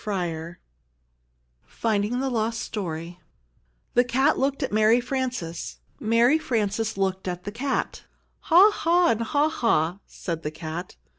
VII FINDING THE LOST STORY THE cat looked at Mary Frances. Mary Frances looked at the cat. "Ha, ha, and ha, ha!" said the cat.